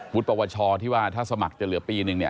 ปวชที่ว่าถ้าสมัครจะเหลือปีนึงเนี่ย